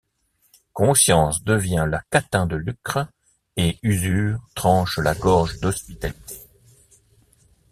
Conscience devient la catin de Lucre, et Usure tranche la gorge d'Hospitalité.